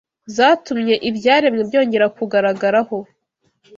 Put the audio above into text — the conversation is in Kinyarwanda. Zatumye ibyaremwe byongera kugaragaraho